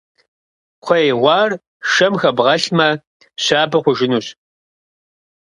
Кхъуей гъуар шэм хэбгъэлъмэ, щабэ хъужынущ.